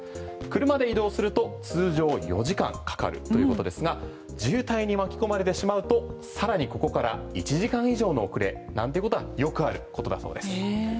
車で移動すると通常４時間かかるということですが渋滞に巻き込まれてしまうとさらにここから１時間以上の遅れなんてことはよくあることだそうです。